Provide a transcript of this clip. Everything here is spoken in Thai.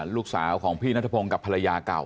ลูกสาวของพี่นัทพงศ์กับภรรยาเก่า